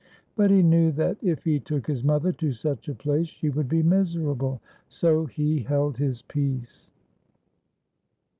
But he knew that if he took his mother to such a place she would be miserable ; so he held his peace.